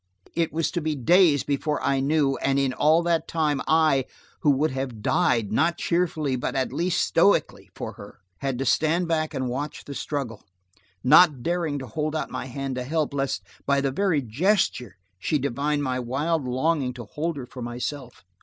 It was to be days before I knew and in all that time, I, who would have died, not cheerfully but at least stoically, for her, had to stand back and watch the struggle, not daring to hold out my hand to help, lest by the very gesture she divine my wild longing to hold her for myself.